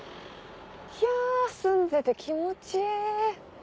ひゃ澄んでて気持ちいい！